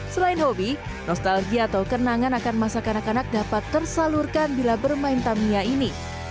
selain hobi nostalgia atau kenangan akan masa kanak kanak dapat tersalurkan bila bermain tamiya ini